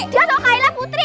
jatuh kaila putri